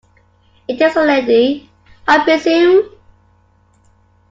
It is a lady, I presume?